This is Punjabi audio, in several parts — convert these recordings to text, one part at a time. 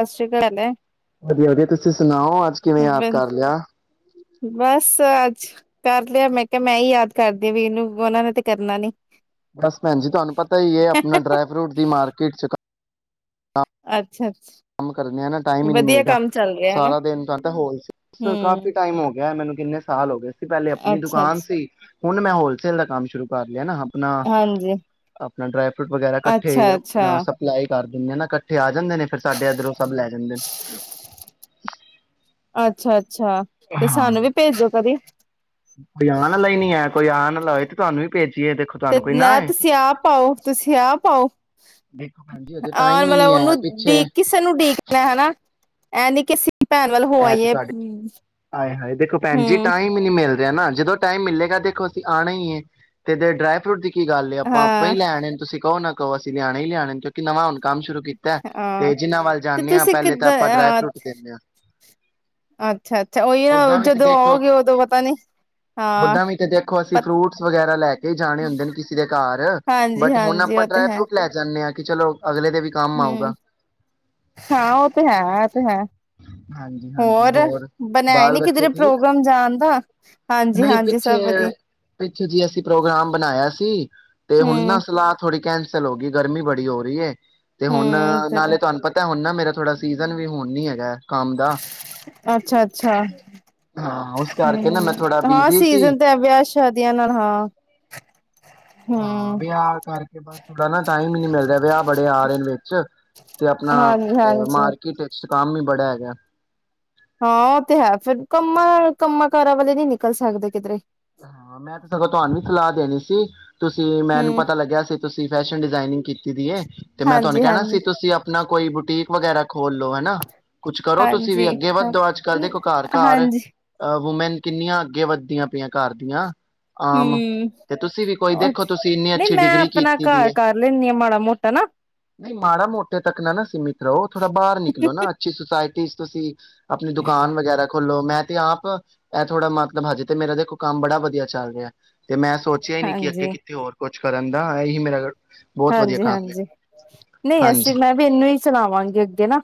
ਸਤਿ ਸ੍ਰੀ ਅਕਾਲ ਵਧੀਆ ਵਧੀਆ ਤੁਸੀਂ ਸੁਣਾਓ ਅੱਜ ਕਿਵੇਂ ਯਾਦ ਬ ਕਰ ਲਿਆ? ਬਸ, ਅੱਜ ਕਰ ਲਿਆ ਮੈਂ ਕਿਹਾ- ਮੈਂ ਹੀ ਯਾਦ ਕਰਦੀ ਆ ਵੀਰ ਨੂੰ, ਉਹਨਾਂ ਨੇ ਤੇ ਕਰਨਾ ਨੀ। ਬਸ ਭੈਣ ਜੀ ਤੁਹਾਨੂੰ ਪਤਾ ਹੀ ਹੈ ਆਪਣਾ ਡਰਾਈ ਫਰੂਟ ਦੀ ਮਾਰਕੀਟ ਚ ਅੱ ਕੰਮ ਕਰਨੇ ਆ ਨਾ ਟਾਈਮ ਹੀ ਨੀ ਮਿਲਦਾ ਕੰਮ ਚੱਲ ਰਿਹਾ ਹਨਾ ਸਾਰਾ ਦਿਨ ਤਾਂ ਹੋਲ ਸੇ ਸੀ ਹਮ ਕਾਫੀ ਟਾਈਮ ਹੋ ਗਿਆ ਮੈਨੂੰ ਕਿੰਨੇ ਸਾਲ ਹੋ ਗਏ ਪਹਿਲੇ ਆਪਣੀ ਅੱਛਾ ਦੁਕਾਨ ਅੱਛਾ ਸੀ ਹੁਣ ਮੈਂ ਹੋਲਸੇਲ ਦਾ ਕੰਮ ਸ਼ੁਰੂ ਕਰ ਲਿਆ ਨਾ ਆਪਣਾ ਹਾਂਜੀ ਹਾਂ [inaudible] ਫਰੂਟ ਵਗੈਰਾ ਇਕੱਠੇ ਆਪਣਾ ਸਪਲਾਈ ਕਰ ਦਿੰਦੇ ਏ ਨਾ ਇਕੱਠੇ ਆ ਜਾਂਦੇ ਨੇ। ਫਿਰ ਸਾਡੇ ਇੱਧਰੋਂ ਸਭ ਲੈ ਜਾਂਦੇ ਨੇ। ਅੱਛਾ ਅੱਛਾ- ਤੇ ਹਾਂ ਸਾਨੂੰ ਵੀ ਭੇਜੋ ਕਦੀ। ਕੋਈ ਆਣ ਅਲਾ ਈ ਨੀ ਹੈ। ਕੋਈ ਆਣ ਅਲਾ ਹੋਏ ਤੇ ਤੁਹਾਨੂੰ ਵੀ ਭੇਜ ਤੇ ਲੈ ਤੁਸੀਂ ਆਪ ਆਓ -ਤੁਸੀਂ ਆਪ ਆਓ। ਦੇਖੋ ਭੈਣ ਜੀ ਅਜੇ ਆਣ ਟਾਈਮ ਹੀ ਮਤਲ ਨਹੀਂ ਆਇਆ ਉਨੂੰ ਪਿੱਛੇ ਡੀਕ, ਕਿਸੇ ਨੂੰ ਡੀਕਣਾ- ਹਣਾ। ਐਂ ਨੀ ਕਿ ਅਸੀ ਐ ਤੇ ਤੁਆਡੀ- ਆਏ ਹਾਏ ਦੇਖੋ ਭੈਣ ਜੀ ਹਮ ਟਾਇਮ ਈ ਨੀ ਮਿਲਦਾ ਹੈ ਨਾ ਜਦੋਂ ਟਾਈਮ ਮਿਲੇਗਾ ਦੇਖੋ ਅਸੀਂ ਆਉਣਾ ਈ ਏ। ਤੇ ਡਰਾਈ ਫਰੂਟ ਦੀ ਕੀ ਗੱਲ ਏ, ਆਪਾਂ- ਆਪਾਂ ਹੀ ਹਾਂ ਲੈਣੇ ਤੁਸੀਂ ਕਹੋ ਨਾ ਕਹੋ ਅਸੀਂ ਲਿਆਣੇ ਈ ਲਿਆਣੇ ਕਿਉਂਕਿ ਨਵਾਂ ਹੁਣ ਕੰਮ ਸ਼ੁਰੂ ਕੀਤਾ। ਹਾਂ ਤੇ ਜਿਨਾਂ ਵੱਲ ਤੇ ਜਾਂਨੇ ਆਂ ਤੁਸੀਂ ਪਹਿਲੇ ਤਾਂ ਕਿੱਦਾਂ ਆਪਾਂ ਡਰਾਈ ਹਾਂ ਫਰੂਟ ਦਿੰਦੇ ਆਂ। ਅੱਛਾ-ਅੱਛਾ ਉਹੀ ਨਾ ਓਦਾਂ ਵੀ ਤੇ ਜਦੋਂ ਦੇਖੋ, ਆਓਗੇ ਉਦੋਂ ਪਤਾ ਨੀ ਹਾਂ ਓਦਾਂ ਵੀ ਤੇ ਦੇਖੋ ਅਸੀਂ ਪ ਫਰੂਟਸ ਵਗੈਰਾ ਲੈ ਕੇ ਈ ਜਾਣੇ ਹੁੰਦੇ ਨੇ ਕਿਸੇ ਦੇ ਘਾਟ। ਬਟ ਹੁਣ ਹਾਂਜੀ-ਹਾਂਜੀ ਆਪਾਂ ਡਰਾਈ ਫਰੂਟ ਲੈ ਜਾਂਦੇ ਕਿ ਚਲੋ ਅਗਲੇ ਦੇ ਵੀ ਕੰਮ ਆਊਗਾ। ਹੂੰਅ- ਹਾਂ ਉਹ ਤੇ ਹੈ ਉਹ ਤੇ ਹੈ। ਹਾਂਜੀ- ਹਾਂਜੀ ਹੋਰ ਬਣਾਇਆ ਬਾਲ ਨੀ ਬੱਚੇ ਕਿਧਰੇ ਠੀਕ। ਪ੍ਰੋਗਰਾਮ ਜਾਣ ਦਾ ਨਹੀਂ ਹਾਂਜੀ-ਹਾਂਜੀ ਪਿੱਛੇ ਸਭ ਵਧੀਆ -ਪਿੱਛੇ ਜੀ ਅਸੀਂ ਪ੍ਰੋਗਰਾਮ ਬਣਾਇਆ ਸੀ ਤੇ ਹੁਣ ਨਾ ਹੂੰ-ਹੂੰ ਸਲਾਹ ਥੋੜੀ- ਕੈਂਸਲ ਹੋ ਗਈ ਗਰਮੀ ਬੜੀ ਹੋ ਰਹੀ ਹੈ। ਤੇ ਹੁਣ ਫਿਰ ਨਾਲੇ ਤੁਹਾਨੂੰ ਪਤਾ ਹੁਣ ਨਾ ਮੇਰਾ ਥੋੜਾ ਸੀਜਨ ਵੀ ਹੁਣ ਈ ਹੈਗਾ। ਕੰਮ ਦਾ ਅੱਛਾ -ਅੱਛਾ। ਹਾਂ ਉਸ ਕਰਕੇ ਹੂੰ, ਨਾ ਮੈਂ ਥੋੜਾ ਹਾਂ ਬਿਜੀ ਸੀ ਸੀਜਨ ਤੇ ਏ ਵਿਆਹ ਸ਼ਾਦੀਆਂ ਨਾਲ ਹਾਂ ਹਾਂ ਹੂੰ ਵਿਆਹ ਕਰਕੇ ਬਸ ਥੋੜਾ ਨਾ ਟਾਈਮ ਈ ਨੀ ਮਿਲ ਰਿਹਾ। ਵਿਆਹ ਬੜੇ ਆ ਰਹੇ ਵਿੱਚ। ਤੇ ਆਪਣਾ ਅ ਹਾਂਜੀ-ਹਾਂਜੀ ਮਾਰਕੀਟ 'ਚ 'ਚ ਕੰਮ ਈ ਬੜਾ ਹੈਗਾ। ਹਾਂ ਉਹ ਤੇ ਹੈ ਫਿਰ। ਕੰਮਾਂ, ਕੰਮਾਂ -ਕਾਰਾਂ ਵਾਲੇ ਨਹੀਂ ਨਿਕਲ ਸਕਦੇ ਕਿਧਰੇ। ਹਾਂ, ਮੈਂ ਤੇ ਸਗੋਂ ਤੁਹਾਨੂੰ ਸਲਾਹ ਦੇਣੀ ਸੀ। ਤੁਸੀਂ, ਮੈਨੂੰ ਹੂੰ ਪਤਾ ਲੱਗਿਆ ਸੀ ਤੁਸੀਂ ਫੈਸ਼ਨ ਡਿਜ਼ਾਇਨਿੰਗ ਕੀਤੀ ਦੀ ਏ। ਤੇ ਮੈਂ ਤੁਹਾਨੂੰ ਕਹਿਣਾ ਸੀ, ਤੁਸੀਂ ਆਪਣਾ ਕੋਈ ਬੁਟੀਕ- ਵਗੈਰਾ ਖੋਲ ਲੋ ਹੈਨਾ। ਕੁਛ ਕਰੋ ਤੁਸੀਂ ਵੀ ਹਾਂਜੀ-ਹਾਂਜੀ-ਹਾਂਜੀ ਅੱਗੇ ਹਾਂ ਵੱਦੋ, ਅੱਜ-ਕਲ ਦੇਖੋ ਘਰ- ਘਰ ਹਾਂਜੀ ਅ ਵੂਮੈਨ- ਕਿੰਨੀਆਂ ਅੱਗੇ ਵੱਧਦੀਆਂ ਪੀਆਂ। ਘਰ ਦੀਆਂ। ਹੂੰ ਤੇ ਤੁਸੀਂ ਵੀ ਕੋਈ ਆ, ਦੇਖੋ ਤੁਸੀਂ ਇੰਨੀ ਨਹੀਂ ਅੱਛੀ ਮੈਂ ਡਿਗਰੀ ਆਪਣਾ ਕੀਤੀ ਦੀ ਘਰ ਏ ਕਰ ਲੈਂਣੀ ਆ ਮਾੜਾ- ਮੋਟਾ ਨਾ। ਨਹੀਂ, ਮਾੜਾ- ਮੋਟੇ ਤੱਕ ਨਾਨਾ ਸੀਮਿਤ ਘਹੋ ਥੋੜਾ ਬਾਹਰ ਨਿਕਲੋ ਨਾ ਅਛੀ ਸੋਸਾਇਟੀ ਤੁਸੀਂ ਆਪਣੀ ਦੁਕਾਨ ਵਗੈਰਾ ਖੋਲੋ ਮੈਂ ਆਪ, ਥੋੜਾ ਮਤਲਬ ਅੱਜ ਤੇ ਮੇਰਾ ਦੇਖੋ। ਕੰਮ ਬੜਾ ਵਧੀਆ ਚੱਲ ਰਿਹਾ। ਤੇ ਮੈਂ ਸੋਚਿਆ ਹੀ ਨਹੀਂ ਕਿ ਅੱਗੇ ਹਾਂਜੀ ਕਿੱਥੇ ਹੋਰ ਕੁਝ ਫੜਦਾ ਹੈ ਜੀ ਮੇਰਾ ਬਹੁਤ ਵਧੀਆ ਹਾਂਜੀ ਕੰਮ ਹੈ ਹਾਂਜੀ ਨਹੀਂ ਅਸੀਂ ਹਾਂਜੀ ਮੈਂ ਵੀ ਇਹਨੂੰ ਹੀ ਚੜਾਵਾਂਗੀ ਅੱਗੇ ਨਾ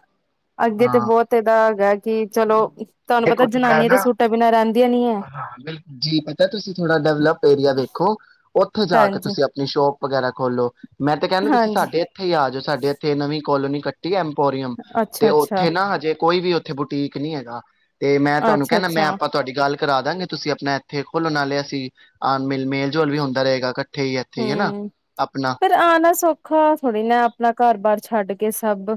ਅੱਗੇ ਤੇ ਹਾਂ ਬਹੁਤ ਇਹਦਾ ਹੈਗਾ ਕੀ ਚਲੋ ਤੁਹਾਨੂੰ ਪਤਾ ਦੇਖੋ ਥੋੜਾ ਜਨਾਨੀਆਂ ਤੇ ਨਾ ਸੂਟਾਂ ਬਿਨਾਂ ਰਹਿੰਦੀਆਂ ਨੀ ਹੈ ਹਾਂ ਬਿਲਕੁਲ ਜੀ ਪਤਾ ਤੁਸੀਂ ਥੋੜਾ ਡਿਵਲਪ ਏਰੀਆ ਵੇਖੋ, ਉੱਥੇ ਜਾ ਕੇ ਹਾਂਜੀ ਤੁਸੀਂ ਆਪਣੀ ਸ਼ੋਪ ਵਗੈਰਾ ਖੋਲੋ ਮੈਂ ਤਾਂ ਕਹਿੰਦਾ ਤੁਸੀਂ ਹਾਂਜੀ ਸਾਡੇ ਇੱਥੇ ਹੀ ਆ ਜਾਓ ਸਾਡੇ ਇੱਥੇ ਨਵੀ ਕੋ ਕਲੋਨੀ ਡੀ ਐੰਪੋਰੀਅਮ, ਤੇ ਅੱਛਾ ਅੱਛਾ ਔਥੇ ਨਾ ਹਜੇ ਕੋਈ ਵੀ ਉੱਥੇ ਬੁਟੀਕ ਨਹੀਂੀ ਹੈਗਾ ਤੇ ਮੈਂ ਤੁਹਾਨੂੰ ਅੱਛਾ ਕੇਹਾ ਨਾ ਮੈਂ ਅੱਛਾ ਆਪਾਂ ਤੁਹਾਡੀ ਗੱਲ ਕਰਾ ਦਾਂਗੇ ਤੁਸੀਂ ਆਪਣਾ ਇੱਥੇ ਖੋਲੋ ਨਾਲੇ ਅਸੀਂ ਆ ਮੇ ਮੇਲ ਜੋਲ ਵੀ ਹੁੰਦਾ ਰਹੇਗਾ ਹੀ ਇੱਥੇ ਹੀ ਹਨਾ ਹੂ, ਆਪਣਾ ਪਰ ਆਣਾ ਸੌਖਾ ਥੋੜੀ ਨਾ ਆਪਣਾ ਘਰ ਬਾਰ ਛੱਡ ਕੇ ਸਭ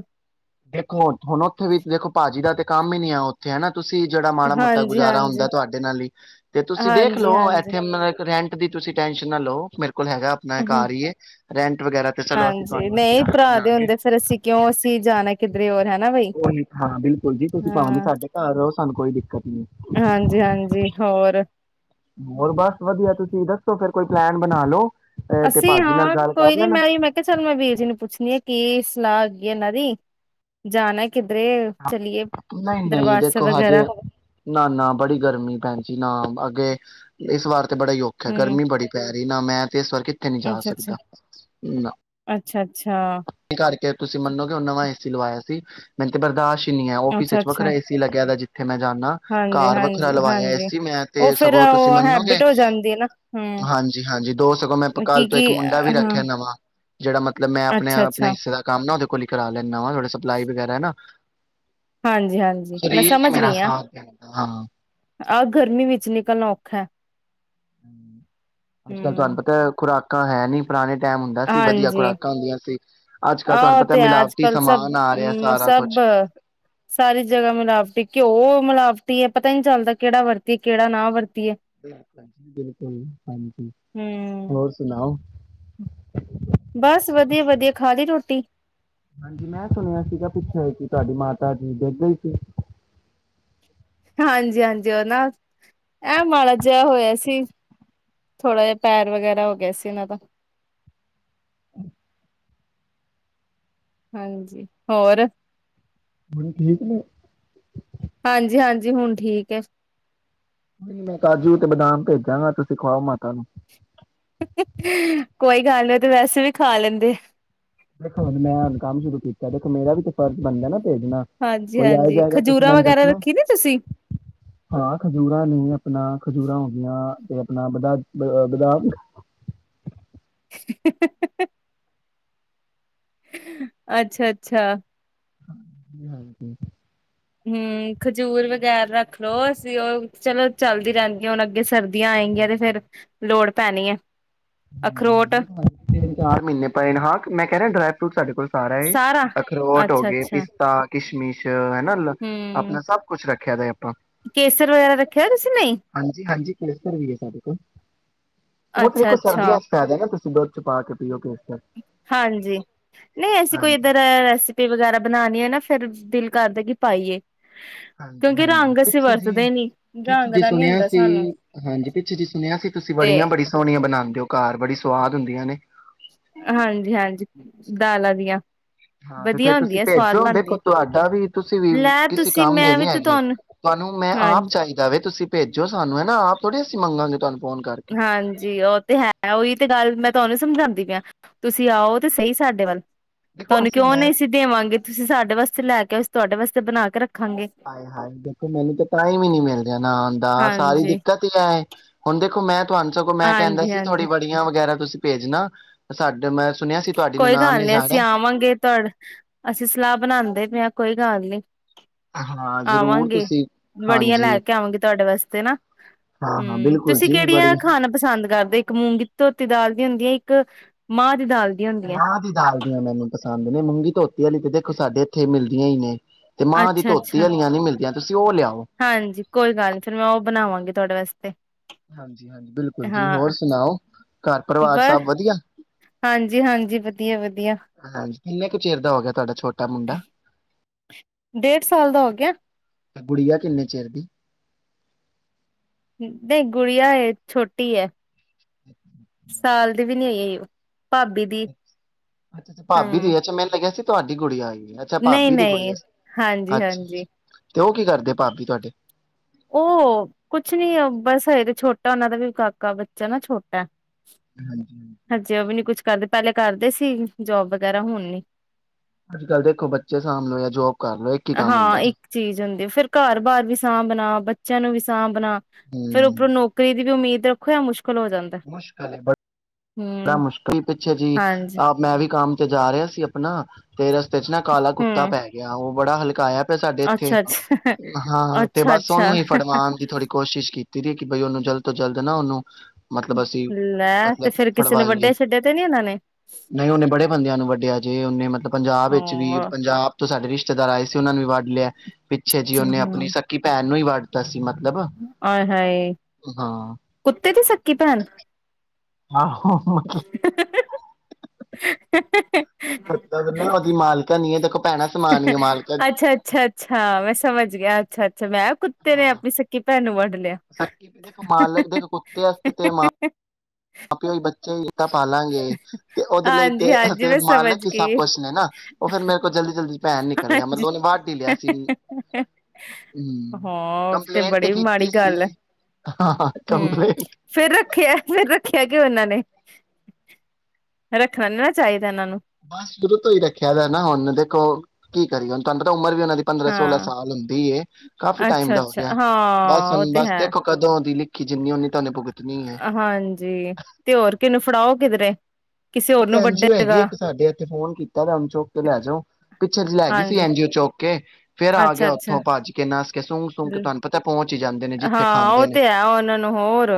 ਦੇਖੋ ਹੁਣ ਉੱਥੇ ਵੀ ਦੇਖੋ ਭਾਜੀ ਦਾ ਤੇ ਕੰਮ ਹੀ ਨੀ ਐ ਉੱਥੇ, ਹੈਨਾ ਤੁਸੀਂ ਜਿਹੜਾ ਮਾੜਾ ਮੋਟਾ ਹਾਂਜੀ ਗੁਜ਼ਾਰਾ ਹਾਂਜੀ ਹੁੰਦਾ ਤੁਹਾਡੇ ਨਾਲ ਹੀ ਤੇ ਤੁਸੀਂ ਦੇਖ ਹਾਂਜੀ ਲੋ ਹਾਂਜੀ ਇੱਥੇ ਮਤਲਬ ਰੈਂਟ ਦੀ ਤੁਸੀਂ ਟੈਨਸ਼ਨ ਨਾ ਲਓ, ਮੇਰੇ ਬਿਲਕੁਲ ਹੈਗਾ, ਆਪਣਾ ਐ ਹਮ ਘਰ ਹੀ ਐ ਰ ਹਾਂਜੀ, ਨਹੀਂ ਭਰਾ ਦੇ ਹੁੰਦੇ, ਫੇਰ ਅਸੀਂ ਕਿਉਂ ਅਸੀਂ ਜਾਣਾ ਕਿੱਧਰੇ ਹੋਰ ਹੈ ਉਹੀ ਹਾਂ ਬਿਲਕੁਲ ਜੀ, ਤੁਸੀਂ ਭਾਵੇ ਜੀ ਸਾਡੇ ਘਰ ਰਹੋ ਸਾਨੂੰ ਕੋਈ ਦਿੱਕਤ ਨਹੀ, ਹਾਂਜੀ-ਹਾਂਜੀ ਹੋਰ ਹੋਰ ਬਸ ਵਧੀਆ ਤੁਸੀਂ ਦੱਸੋ ਫਿਰ ਕੋਈ ਪਲੈਨ ਬਣਾ ਲ ਲੋ ਅਸੀਂ ਹਾਂ ਕੋਈ ਨੀ ਮੈਂ ਵੀ ਮੈਂ ਕਿਹਾ ਚੱਲ ਮੈਂ ਵੀਰ ਜੀ ਨੂੰ ਪੁੱਛਣੀ ਹੈ ਕੀ ਸਲਾਹ ਹੈਗੀ ਇਹਨਾਂ ਦੀ ਜਾਣਾ ਕਿਧਰੇ ਨਹੀਂ ਨਹੀਂ ਦੇਖੋ ਹਜੇ, ਨਾ ਨਾ ਬੜੀ ਗਰਮੀ ਪੈਣਜੀ ਨਾ ਅੱਗੇ ਇਸ ਵਾਰ ਬੜਾ ਹੀ ਔਖਾ ਹੈ, ਹੂੰ ਗਰਮੀ ਬੜੀ ਪੈ ਇਨਾ ਮੈਂ ਤੇ ਇਸ ਵਾਰ ਕਿੱਤੇ ਨਹੀ ਜਾ ਅੱਛਾ-ਅੱਛਾ, ਸਕਦਾ ਨਾ, ਅੱਛਾ-ਅੱਛਾ, ਇਸ ਕਰਕੇ ਤੁਸੀਂ ਮੰਨੋਗੇ ਹੁਨ ਨਵਾਂ ਏ ਪਿਛੇ ਲਵਾਇਆ ਸੀ ਮੈਨੂੰ ਤੇ ਬਰਦਾਸ਼ਤ ਹੀ ਨੀ ਐ ਓਹ। ਕਿਸੇ ਚ ਅੱਛਾ-ਅੱਛਾ ਵੱਖਰਾ ਏ ਸੀ ਲੱਗਿਆ ਦਾ ਜੀ। ਮੈਂ ਜਾਂਨਾ, ਘਰ ਵੱਖਰਾ ਹਾਂਜੀ-ਹਾਂਜੀ, ਹਾਂਜੀ। ਲਵਾਇਆ ਏ ਹਾਂਜੀ, ਹਾਂਜੀ। ਸੀ ਮੈਂ ਉਹ ਤੇ ਫੇਰ ਸਗੋਂ ਤੁਸੀਂ ਉਹ ਮੰਨੋਗੇ, ਹੈਬਿਟ ਹੋ ਜਾਂਦੀ ਹੈ ਨਾ ਹੂੰ ਹਾਂਜੀ-ਹਾਂਜੀ ਦੋ ਸਗੋ ਕਲ ਤੋਂ ਇੱਕ ਕੀ-ਕੀ ਮੁੰਡਾ ਵੀ ਹਾਂ ਰੱਖਿਆ ਨਵਾਂ। ਜਿਹੜਾ ਮਤਲਬ ਮੈਂ ਆਪਣੇ-ਆਪਣੇ ਅੱਛਾ-ਅੱਛਾ ਹਿੱਸੇ ਦਾ ਕੰਮ ਨਾ ਕੋਲੌ ਹੀ ਕਰਾ ਲੈਂਨਾ ਵਾ ਥੋੜਾ ਸਪਲਾਈ ਵਗੈਰਾ ਹੈਨਾ ਹਾਂਜੀ -ਹਾਂਜੀ ਮੈਂ ਸਮਝ ਗਈਆ। ਸਾਥ ਦਿੰਦਾ ਹਾਂ ਆਹ ਗਰਮੀ ਵਿੱਚ ਨਿਕਲਣਾ ਔਖਾ ਹੈ। ਹੂੰ, ਅੱਜ ਕੱਲ ਤੁਆਨੂੰ ਹੂੰ ਪਤਾ ਖੁਰਾਕ ਤਾ ਹੈ ਨੀ ਪੁਰਾਣੇ ਟਾਈਮ ਹੁੰਦਾ ਸੀ ਵਧੀਆ ਹਾਂਜੀ, ਖੁਰਾਕਾਂ ਹੁੰਦੀਆਂ ਸੀ। ਅੱਜ ਕੱਲ੍ਹ ਤੁਹਾਨੂੰ ਆਹੋ ਪਤਾ ਤੇ ਹੈ ਮਿਲਾਵਟੀ ਅੱਜ-ਕੱਲ ਸਮਾਨ ਆ ਰਿਹਾ ਸਾਰਾ ਸਭ-ਸਭ ਕੁਛ। ਸਾਰੀ ਜਗ੍ਹਾ ਮਿਲਾਵਟੀ ਘਿਓ ਮਿਲਾਵ ਇਹ ਪਤਾ ਨੀ ਚੱਲਦਾ ਕਿਹੜਾ ਵਰਤੀਏ, ਕਿਹੜਾ ਨਾ ਵਰਤੀ ਬਿਲਕੁੱਲ ਹਾਂਜੀ ਹੂੰ। ਹੋਰ ਸੁਣਾਓ। ਬਸ, ਵਧੀਆ-ਵਧੀਆ ਖਾਲੀ ਰੋਟੀ। ਹਾਂਜੀ, ਮੈ ਤੁਹਾਨੂੰ ਇਹ ਪੁੱਛਿਆ ਕਿ ਤੁਹਾਡੀ ਮਾਤਾ ਜੀ ਡਿੱਗ ਗਈ ਸੀ। ਹਾਂਜੀ-ਹਾਂਜੀ ਓਨਾ ਐ ਮਾੜਾ ਜਿਹਾ ਹੋਇਆ ਸੀ ਥੋੜ੍ਹਾ ਜਾ ਪੈਰ ਵਗੈਰਾ ਹੋ ਗਿਆ ਸੀ ਉਹਨਾਂ ਦਾ। [inaudible] ਹਾਂਜੀ ਹੋਰ। ਹੁਣ ਠੀਕ ਨੇ। ਹਾਂਜੀ-ਹਾਂਜੀ ਹੁਣ ਠੀਕ ਐ। ਤੁਸੀ ਖਵਾਓ ਮਾਤਾ ਨੂੰ। ਕੋਈ ਗੱਲ ਨੀ ਓ ਤੇ ਵੈਸੇ ਵੀ ਖਾ ਲੈਂਦੇ। ਦੇਖੋ, ਹੁਣ ਮੈਂ ਹੁਣ ਕੰਮ ਸ਼ੁਰੂ ਕੀਤਾ ਦੇਖੋ ਮੇਰਾ ਵੀ ਤੇ ਫਰਜ਼ ਬਣਦਾ ਨਾ। ਭੇਜਣਾ, ਹਾਂਜੀ ਕੋਈ ਆਏ ਹਾਂਜੀ ਜਾਏਗਾ ਤੇ ਤੁਸੀ ਖਜੂਰਾਂ ਮੈਨੁੰ ਵਗੈਰਾ ਦਸਨਾ, ਰੱਖੀ ਨੇ ਤੁਸੀਂ ਹਾਂ ਖਜੂਰਾ ਨੇ ਅਪਨਾ ਖਜੂਰਾ ਹੂਨਦਿਆ। ਤੇ ਆਪਣਾ ਬਦਾਮ ਹੇ-ਹੇ ਅੱਛਾ-ਅੱਛਾ। [inaudible] ਹੂੰ ਖਜੂਰ ਵਗੈਰਾ ਰੱਖ ਲੋ ਅਸੀਂ ਓ ਚਲੋ ਚਲਦੀ ਰਹਿੰਦੀ ਹੁਣ ਅੱਗੇ ਸਰਦੀ ਆਏਗੀਆਂ ਤੇ ਫੇਰ ਲੋੜ ਪੈਣੀ ਐ। ਹਾਂਜੀ-ਹਾਂਜੀ ਤਿੰਨ ਚਾਰ ਮਹੀਨੇ ਪਏ ਨੇ ਹਾਂ ਮੈਂ ਕਹਿ ਰਿਹਾ ਡਰਾਈ ਫਰੂਟ ਸਾਡੇ ਕੋਲ ਸਾਰਾ ਏ ਅਖਰੋਟ ਹੋ ਗੇ ਅੱਛਾ-ਅੱਛਾ ਪਿਸਤਾ ਕਿਸ਼ਮਿਸ਼ ਹੂੰ ਆਪਣਾ ਸਭ ਕੁਛ ਰੱਖ [unintelligible] ਕੇਸਰ ਵਗੈਰਾ ਰੱਖਿਆ ਤੁਸੀਂ ਨਹੀਂ? ਹਾਂਜੀ ਹਾਂਜੀ ਕੇਸਰ ਵੀ ਹੈ ਸਾਡੇ ਕੋਲ। ਉਹ ਤੇ ਅੱਛਾ ਦੇਖੋ ਸਰਦੀਆਂ ਚ ਪੈ ਜਾਣਾ ਤੁਸੀਂ ਦੁੱਧ ਚ ਪਾ ਕੇ ਪੀ ਓਕੇ ਹਾਂਜੀ ਨਹੀਂ ਅਸੀਂ ਕੋਈ ਹਾਂਜੀ ਇੱਧਰ ਰੈਸਪੀ ਵਗੈਰਾ ਬਣਾਣੀ ਹੈ ਨਾ ਫਿਰ ਦਿਲ ਕਰਦੇ ਕਿ ਪਾਈਏ ਹਾਂਜੀ ਕਿਉਂਕਿ ਹਾਂਜੀ ਰੰਗ ਅਸੀਂ ਪਿੱਛੇ ਜੀ ਵਰਤਦੇ ਨੀ ਪਿੱਛੇ ਰੰਗ ਜੀ ਦਾ ਨੀ ਸੁਣਿਆ ਹੁੰਦਾ ਸੀ ਸਾਨੂੰ ਹਾਂਜੀ ਪਿੱਛੇ ਜੀ ਸੁਣਿਆ ਸੀ ਤੁਸੀਂ ਤੇ ਵੜੀਆਂ ਬੜੀ ਸੋਹਣੀਆਂ ਬਣਾਉਂਦੇ ਹੋ ਘਰ ਬੜੀ ਸੁਆਦ ਹੁੰਦੀਆਂ ਨੇ ਹਾਂਜੀ-ਹਾਂਜੀ ਦਾਲਾਂ ਦੀਆਂ ਹਾਂ ਤੇ ਵਧੀਆ ਫੇਰ ਤੁਸੀਂ ਹੁੰਦੀਆਂ ਸਵਾਦ ਭੇਜੋ ਦੇਖੋ ਬਣਦੀਆਂ ਤੁਹਾਡਾ ਵੀ ਤੁਸੀਂ ਵੀ ਲੈ ਕਿਸੇ ਤੁਸੀਂ ਕੰਮ ਦੇ ਮੈਂ ਨੀ ਵੀ ਤੇ ਹੈਗੇ ਤੁਹਾਨੂੰ ਮੈਂ ਆਪ ਹਾਂਜੀ ਚਾਹੀਦਾ ਵੇ ਤੁਸੀਂ ਭੇਜੋ ਸਾਨੂੰ ਹੈ ਆਪ ਥੋੜੀ ਅਸੀ ਮੰਗਾਗੇ ਤੁਹਾਨੂੰ ਫੋਨ ਕਰਕੇ। ਹਾਂਜੀ ਉਹ ਤੇ ਹੈ ਉਹੀ ਤੇ ਗੱਲ ਮੈਂ ਤੁਹਾਨੂੰ ਸਮਝਾਉਂਦੀ ਪਈ ਆ ਤੁਸੀਂ ਆਓ ਤੇ ਸਹੀ ਸਾਡੇ ਵੱਲ ਦੇਖੋ ਤੁਹਾਨੂੰ ਅਸੀਂ ਕਿਉਂ ਮੈਂ ਨਹੀਂ ਸੀ ਦੇਵਾਂਗੇ ਤੁਸੀਂ ਸਾਡੇ ਵਾਸਤੇ ਲੈ ਕੇ ਤੁਹਾਡੇ ਵਾਸਤੇ ਬਣਾ ਕੇ ਰੱਖ ਆਏ ਹਾਏ ਦੇਖੋ ਮੈਨੂੰ ਤਾਂ ਟਾਈਮ ਹੀ ਨੀ ਮਿਲ ਰਿਹਾ ਨਾ ਆਉਣ ਦਾ ਸਾਰੀ ਹਾਂਜੀ ਦਿੱਕਤ ਹੀ ਐ ਏ ਹੁਣ ਦੇਖੋ ਮੈਂ ਤੁਹਾਨੂੰ ਸਗੋਂ ਮੈਂ ਕਹਿੰਦਾ ਹਾਂਜੀ ਸੀ ਤੁਹਾਡੀ ਹਾਂਜੀ ਵੜੀਆਂ ਵਗੈਰਾ ਤੁਸੀਂ ਭੇਜਣਾ ਸਾਡੇ ਮੈਂ ਸੁਣਿਆ ਸੀ ਤੁਹਾਡੀ ਕੋਈ ਨਨਾਣ ਗੱਲ ਨੇ ਨਹੀਂ ਅਸੀਂ ਜਾਣਾ ਆਵਾਂਗੇ ਤੁਹਾਡੇ ਅਸੀਂ ਸਲਾਹ ਬਣਾਉਦੇ ਪਏ ਹਾਂ ਕੋਈ ਗੱਲ ਨੀ ਹਾਂ ਜ਼ਰੂਰ ਆਵਾਂਗੇ ਤੁਸੀਂ ਵੜੀਆਂ ਹਾਂਜੀ ਲੈ ਕੇ ਆਵਾਂਗੇ ਤੁਹਾਡੇ ਵਾਸਤੇ ਨਾ ਹਾਂ ਹਾਂ ਹਮ ਬਿਲਕੁਲ ਤੁਸੀਂ ਜੀ ਕਿਹੜੀਆਂ ਬੜੀ ਖਾਣਾ ਪਸੰਦ ਕਰਦੇ ਇੱਕ ਮੂੰਗੀ ਧੋਤੀ ਦਾਲ ਦੀ ਹੁੰਦੀ ਹੈ ਇੱਕ ਮਾਂਹ ਦੀ ਦਾਲ ਦੀ ਹੁੰਦੀ ਹੈ ਮਾਂਹ ਦੀ ਦਾਲ ਦੀਆਂ ਮੈਨੂੰ ਪਸੰਦ ਨੇ ਮੂੰਗੀ ਧੋਤੀ ਤੇ ਦੇਖੋ ਸਾਡੇ ਇੱਥੇ ਮਿਲਦੀਆਂ ਹੀ ਨੇ ਤੇ ਮਾਂਹ ਦੀ ਅੱਛਾ ਅੱਛਾ ਧੋਤੀ ਨੀ ਮਿਲਦੀਆਂ ਤੁਸੀਂ ਉਹ ਲਿਆਓ। ਹਾਂਜੀ ਕੋਈ ਗੱਲ ਨਹੀਂ ਫਿਰ ਮੈਂ ਉਹ ਬਣਾਵਾਂਗੀ ਤੁਹਾਡੇ ਵਾਸਤੇ ਹਾਂਜੀ ਹਾਂਜੀ ਬਿਲਕੁਲ ਜੀ ਹੋਰ ਹਾਂ ਸੁਣਾਓ ਘਰ ਪਰਿਵਾਰ ਬਸ ਸਭ ਵਧੀਆ ਹਾਂਜੀ-ਹਾਂਜੀ, ਵਧੀਆ-ਵਧੀਆ ਹਾਂਜੀ ਕਿੰਨੇ ਕੁ ਚਿਰ ਦਾ ਹੋ ਗਿਆ ਤੁਹਾਡਾ ਛੋਟਾ ਮੁੰਡਾ ਡੇਢ ਸਾਲ ਦਾ ਹੋ ਗਿਆ। ਗੁੜੀਆ ਕਿੰਨੇ ਚਿਰ ਦੀ ਨਹੀਂ ਗੁੜੀਆ ਇਹ ਛੋਟੀ ਹੈ ਸਾਲ ਦੀ ਵੀ ਨਹੀਂ ਹੋਈ ਉਹ ਅੱਛਾੱ ਅਛਾ ਭਾਬੀ ਦੀ ਐ ਮੈਨੂੰ ਲੱਗਿਆ ਸੀ ਤੁਹਾਡੀ ਗੁੜੀਆ ਆਈ ਹੈ। ਅੱਛਾ ਨਹੀਂ ਭਾਬੀ ਦੀ ਨਹੀਂ ਗੁੜੀਆ ਸੀ। ਹਾਂਜੀ ਅੱਛਾ। ਅੱਛਾ, ਹਾਂਜੀ ਤੇ ਉਹ ਕੀ ਕਰਦੇ ਭਾਬੀ ਤੁਹਾਡੇ ਉਹ ਕੁਛ ਨੀ ਬਸ ਹਜੇ ਤੇ ਛੋਟਾ ਉਹਨਾਂ ਦਾ ਵੀ ਕਾਕਾ ਬੱਚਾ ਨਾ ਛੋਟਾ ਏ ਹਾਂਜੀ ਹਾਂਜੀ ਕਰਦੇ ਪਹਿਲੇ ਕਰਦੇ ਸੀ ਜੋਬ ਵਗੈਰਾ ਹੁਣ ਨੀ ਅੱਜ ਕੱਲ੍ਹ ਦੇਖੋ ਬੱਚੇ ਸਾਂਭ ਲੋ ਯਾ ਜੋਬ ਕਰ ਲੋ ਇੱਕ ਹੀ ਕੰਮ ਹਾਂ ਹੁੰਦਾ ਜੇ ਇੱਕ ਚੀਜ਼ ਹੁੰਦੀ ਫਿਰ ਘਰ ਬਾਹਰ ਵੀ ਸਾਹ ਬਣਾ ਬ ਬੱਚਿਆਂ ਨੂੰ ਵੀ ਸਾਂਭ ਆਪਣਾ ਫਿਰ ਉੱਪਰੋਂ ਹੂੰ ਨੌਕਰੀ ਦੀ ਵੀ ਉਮੀਦ ਮੁਸ਼ਕਿਲ ਹੈ ਮੁਸ਼ਕਿਲ ਹੈ ਬ ਬੜਾ ਹੂੰ, ਮੁਸ਼ਕਿਲ ਹੀ ਪਿੱਛੇ ਜੀ ਹਾਂਜੀ ਆਪ ਮੈਂ ਵੀ ਕੰਮ ਤੇ ਜਾ ਰਿਹਾ ਸੀ ਆਪਣਾ ਤੇ ਰਸ ਚ ਨਾ ਕਾਲਾ ਕੁੱਤਾ ਹੂੰ, ਪੈ ਗਿਆ ਉਹ ਬੜਾ ਹਲਕਾ ਆਇਆ ਸੀ ਸਾਡੇ ਇੱਥੇ ਅੱਛਾ-ਅੱਛਾ, ਹਾਂ ਤੇ ਬਸ ਅੱਛਾ-ਅੱਛਾ। ਉਹਨੂੰ ਹੀ ਫੜਵਾਉਣ ਦੀ ਥੋੜ੍ਹੀ ਕੋਸ਼ਿਸ਼ ਕੀਤੀ ਕਿ ਬਈ ਉਹਨੂੰ ਜਲਦ ਤੋਂ ਜਲਦ ਨਾ ਉਹਨੂੰ ਮਤਲਬ ਅਸੀਂ ਲੈ ਤੇ ਮਤਲਬ ਫਿਰ ਫੜਵਾਈਏ ਨਹੀਂ ਉਹਨੇ ਬੜੇ ਬੰਦਿਆਂ ਨੂੰ ਵੱਢਿਆ ਜੇ ਉਹਨੇ ਮਤਲਬ ਪੰਜਾਬ ਹਾਂ ਵਿੱਚ ਵੀ ਪੰਜਾਬ ਤੋਂ ਸਾਡੇ ਰਿਸ਼ਤੇਦਾਰ ਆਏ ਸੀ ਉਹਨਾਂ ਵੀ ਵੱਢ ਲਿਆ ਪਿੱਛੇ ਜੀ ਉਹਨੇ ਆਪਣੀ ਸਕੀ ਭੈਣ ਨੂੰ ਹੀ ਵੜ ਸੀ ਮ ਹਏ ਹਾਏ ਕੁੱਤੇ ਦੀ ਸਕੀ ਭੈਣ ਆਹ [unintelligible] ਭੱਜਦਾ ਕਿੰਨਾ, ਉਹਦੀ ਮਾਲਕਨ ਨੀ ਏ ਤੇ ਅੱਛਾ ਅੱਛਾ ਅੱਛਾ, ਮੈਂ ਸਮਝ ਗਿਆ, ਅੱਛਾ ਅੱਛਾ, ਮੈਂ ਕੁੱ ਤੇਰੇ ਆਪ ਵੀ ਸਕੀ ਭੈਣ ਨੂੰ ਵਡ [unintelligible] ਮਾਲਕ ਦੇ ਇੱਕ ਕੁੱਤੇ ਆਸਤੇ ਤੇ ਮਾ ਆਪੇ ਓਹੀ ਬ ਤੇ ਈ ਤਾ ਪਾਲਾਂਗੇ, ਤੇ ਉਹਦੇ ਲਈ ਤੇ ਹਾਂਜੀ ਹਾਂਜੀ ਅ ਮੈਂ ਸਮਝ ਮਾਲਕ ਈ ਸਭ ਗਈ ਕੁਛ ਨੇ ਨਾ। ਉਹ ਫੇਰ ਮੇਰੇ ਕੋਲ ਜਲਦੀ ਜਲਦੀ ਪੈਣ ਨਿਕਲ ਗਿਆ, ਮਤਲਬ ਹਾਂਜੀ ਉਹਨੇ ਵੱਡ ਈ ਲਿਆ ਸੀ। ਅਮ ਹਾਂ ਕੰਪਲੇਂਨ ਤੇ ਬੜੀ ਮਾੜੀ ਕੀਤੀ ਸੀ। ਗੱਲ ਹੈ ਹਾਂ, ਹੂੰ ਕੰਪਲੇਂਟ ਫੇਰ ਰੱਖਿਆ ਫੇਰ ਰੱਖਿਆ ਕਿਉਂ ਉਹਨਾਂ ਨੇ? ਰੱਖਣਾ ਨੀ ਨਾ ਚਾਹੀਦਾ ਇਹਨਾਂ ਨੂੰ ਬਸ ਸ਼ੁਰੂ ਤੋਂ ਈ ਰੱਖਿਆ ਦਾ ਨਾ ਹੁਣ ਦੇਖੋ ਕੀ ਕਰੀਏ? ਹੁਣ ਤੁਹਾਨੂੰ ਤਾਂ ਉ ਮਰ ਵੀ ਉਹਨਾਂ ਦੀ ਪੰਦਰਾਂ ਹਾਂ ਸੋਲਾਂ ਸਾਲ ਹੁੰਦੀ ਏ, ਕਾਫੀ ਟਾਈਮ ਦਾ ਹੋ ਅੱਛਾ-ਅੱਛਾ ਗਿਆ। ਬਸ ਹੁਣ ਬਸ ਦੇਖੋ ਕਦੋਂ ਉਹਦੀ ਅਈ ਹਾਂਜੀ ਤੇ ਹੋਰ ਕਿਹੇ ਨੂੰ ਫੜਾਓ ਕਿਧਰੇ। ਕਿਸੇ ਹੋਰ ਇੱਕ ਨੂੰ ਐਨ ਜੀ ਓ ਹੈਗੀ ਏ ਵੱਡੇਗਾ ਇੱਕ ਸਾਡੇ ਇੱਥੇ, ਫੋਨ ਕੀਤਾ ਵੇਆ ਹੁਣ ਚੁਕ ਕੇ ਲੈ ਜਾਉ। ਪਿੱਛੇ ਜਿਹੇ ਲੈ ਗਈ ਸੀ ਹਾਂਜੀ ਐਨ ਜੀ ਓ ਚੁੱਕ ਕੇ, ਫੇਰ ਆ ਗਿਆ ਅੱਛਾ-ਅੱਛਾ ਉੱਥੋਂ ਭੱਜ ਕੇ ਨੱਸ ਕੇ, ਸੁੰਘ ਸੁੰਘ ਕੇ। ਤੁਹਾਨੂੰ ਪਤਾ ਪਹੁੰਚ ਈ ਜਾਂਦੇ ਨੇ, ਜਿੱਥੇ ਹਾਂ ਖਾਂਦੇ ਉਹ ਨੇ। ਤੇ ਹੈ ਉਹਨਾਂ ਨੂੰ ਹੋਰ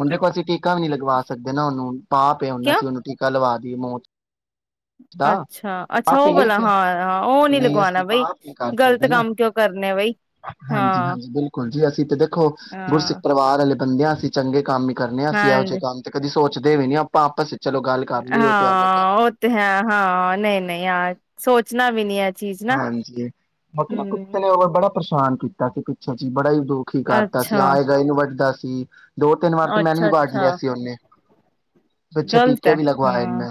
ਹੁਣ ਦੇਖੋ ਅਸੀਂ ਟੀਕਾ ਵੀ ਨਹੀਂ ਲਗਵਾ ਸਕਦੇ ਨਾ ਉਹਨੂੰ। ਪਾਪ ਏ ਹੁਣ ਕਿਉਂ ਅਸੀ ਉਹਨੂੰ ਕਲਵਾ ਦੀ ਮੌਤ ਤਾਂ, ਅੱਛਾ-ਅੱਛਾ ਉਹ ਵਾਲਾ [unintelligible] ਹਾਂ-ਹਾਂ ਉਹ ਨੀ ਲਗਵਾਣਾ ਅਸੀਂ ਬਈ ਪਾਪ ਨੀ ਕਰ ਗ਼ਲਤ ਸਕਦੇ ਨਾ, ਕੰਮ ਕਿਉਂ ਕਰਨੇ ਬਈ ਹਾਂਜੀ ਹਾਂਜੀ ਬਿਲਕੁਲ ਜੀ, ਅਸੀਂ ਤੇ ਦੇਖੋ ਗੁਰਸਿੱਖ ਹਾਂ-ਹਾਂ ਪਰਿਵਾਰ ਵਾਲੇ ਬੰਦੇ ਆਂ, ਅਸੀ ਚੰਗੇ ਕੰਮ ਈ ਕਰਨੇ ਆਂ, ਅਸੀਂ ਇਹੋ ਜਿਹੇ ਹਾਂਜੀ ਕੰਮ ਤੇ ਕਦੀ ਸੋਚ ਦੇ ਵੀ ਨੀ ਆਪਾਂ ਆਪਸ ਚ ਹਾਂ, ਉਹ ਤੇ ਹੈ, ਹਾਂ, ਨਹੀਂ ਨਹੀਂ ਅਹ ਸੋਚ ਚਣਾ ਵੀ ਨੀ ਐ ਹਾਂਜੀ। ਮਤਲਬ ਕੁਤੇ ਨੇ ਓਵੇਂ ਬੜਾ ਪਰੇਸ਼ਾਨ ਕੀਤਾ ਸੀ ਪਿੱਛੇ ਜੀ ਬੜਾ ਈ ਦੁੱਖੀ ਕਰਤਾ ਸੀ, ਆਏ ਗਏ ਨੂੰ ਵੱਡਦਾ ਸੀ। [unintelligible] ਦੋ ਤਿੰਨ ਵਾਰ ਤੇ ਮੈਨੂੰ ਈ ਵੱਡ ਲਿਆ ਸੀ ਉਹਨੇ। ਪਿੱਛੇ ਗਲਤ ਟੀਕੇ ਹੈ ਵੀ ਲਗਵਾਏ ਨੇ ਹਾਂ, ਮੈਂ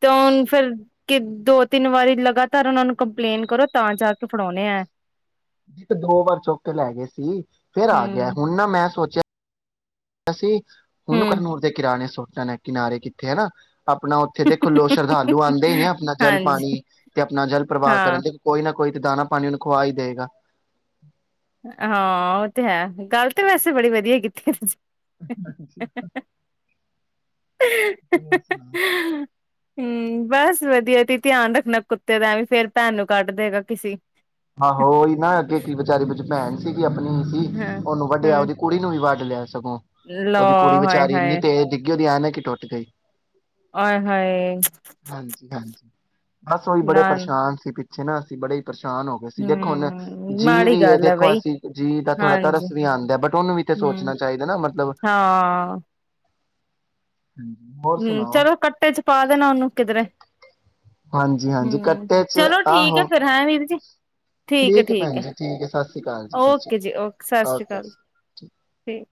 ਤੇ ਹੁਣ ਫਿਰ ਕਿ ਦੋ ਤਿੰਨ ਵਾਰੀ ਲਗਾਤਾਰ ਉਹਨਾਂ ਨੂੰ ਕੰਪਲੇਂਨ ਕਰੋ ਤਾਂ ਜਾ ਕੇ ਫੜਾਉਂਣੇ ਆ। ਦੋ ਵਾਰ ਚੁੱਕ ਕੇ ਲੈ ਗਏ ਸੀ ਫੇਰ ਆ ਗਿਆ, ਹੂੰ ਹੁਣ ਨਾ ਮੈਂ ਸੋਚਿਆ ਅਸੀਂ ਉਹਨੂੰ ਹੂੰ ਕਰਨੂਰ ਦੇ ਕਿਰਾਣੇ ਕਿਨਾਰੇ ਕੀਤੇ ਆ ਨਾ ਆਪਣਾ ਉੱਥੇ ਦੇਖੋ ਲੋਕ ਸ਼ਰਧਾਲੂ ਆਉਂਦੇ ਹੀ ਨੇ ਆਪਣਾ ਜਲ ਹਾਂਜੀ ਪਾਣੀ ਤੇ ਆਪਣਾ ਜਲ ਪ੍ਰਵਾਹ ਹਾਂ ਕਰਨ ਦੇ ਕੋਈ ਨਾ ਕੋਈ ਤੇ ਦਾਣਾ ਪਾਣੀ ਉਹਨੂੰ ਖਵਾ ਹੀ ਦੇਵੇਗਾ ਹਾਂ, ਉਹ ਤੇ ਹੈ ਗੱਲ ਤੇ ਵੈਸੇ ਬੜੀ ਵਧੀਆ ਕੀਤੀ ਤੁਸੀ। ਹਾਂਜੀ, ਹੋਰ ਸੁਣਾਉ। ਹੂੰ, ਬਸ ਵਧੀਆ ਤੇ ਧਿਆਨ ਰੱਖਣਾ ਕੁੱਤੇ ਦਾ ਐਵੇਂ ਫੇਰ ਤਹਾਨੂੰ ਕੱਟ ਦੇਵੇਗਾ ਕਿਸੀ ਆਹੋ ਉਹੀ ਨਾ, ਅੱਗੇ ਕੀ ਵਿਚਾਰੀ ਭੈਣ ਸੀ। ਆਪਣੀ ਸੀ ਹਾਂ ਉਹਨੂੰ ਵੱਡਿਆ, ਹੂੰ ਉਹਦੀ ਕੁੜੀ ਨੂੰ ਵੀ ਵੱਡ ਲਿਆ ਸੀ। ਲੋ ਕੁੜੀ ਹਾਏ ਵਿਚਾਰੀ ਨਹੀਂ ਹਾਏ ਤੇ ਕਿਆ ਨਾ ਕਿ ਟੁੱਟ ਗਈ ਆਏ ਹਾਏ ਹਾਂਜੀ ਹਾਂਜੀ। ਬਸ ਉਹੀ ਬੜੇ ਨਾ ਪਰੇਸ਼ਾਨ ਸੀ ਪਛ ਪਿਛੇ ਨਾ ਅਸੀਂ ਬੜੇ ਹੀ ਪਰੇਸ਼ਾਨ ਅਸੀਂ ਦੇਖੋਨ ਹੂੰ ਜੀਅ ਮਾੜੀ ਵੀਏ ਗੱਲ ਹੈ ਦੇਖੋ ਬਈ ਅਸੀਂ ਜੀਅ ਦਾ ਥੋੜਾ ਹਾਂਜੀ ਤਰਸ ਵੀ ਆਉਂਦਾ ਬਟ ਉਹਨੂੰ ਵੀ ਤੇ ਹੂੰ ਸੋਚਣਾ ਚਾਹੀਦਾ ਨਾ ਮਤਲਬ ਹਾਂਜੀ ਹੋਰ ਹਮ ਸੁਣਾਓ? ਚਲੋ ਕੱਟੇ ਚ ਪਾ ਦੇਣਾ ਉਹਨੂੰ ਕਿਧਰੇ ਹਾਂਜੀ ਹਾਂਜੀ ਹੂੰ ਕੱਟੇ ਚ ਚਲੋ ਠੀਕ ਹੈ ਆਹੋ ਫੇਰ ਹੈਂ ਵੀਰ ਜੀ ਠੀਕ ਹੈ ਠੀਕ ਭੈਣ ਹੈ ਜੀ ਸਤਿ ਸ੍ਰੀ ਅਕਾਲ ਜੀ ਸਤਿ ਸ਼੍ਰੀ ਓਕੇ ਜੀ ਓਕੇ ਸਤਿ ਸ਼੍ਰੀ ਅਕਾਲ ਜੀ ਠੀਕ